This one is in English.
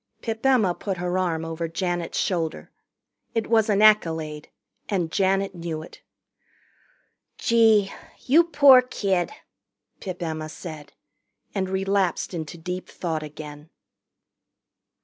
Pip Emma put her arm over Janet's shoulder. It was an accolade, and Janet knew it. "Gee you poor kid!" Pip Emma said, and relapsed into deep thought again.